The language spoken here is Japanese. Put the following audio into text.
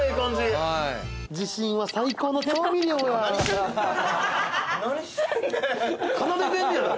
自信は最高の調味料や。